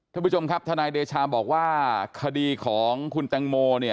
ท่านผู้ชมครับทนายเดชาบอกว่าคดีของคุณแตงโมเนี่ย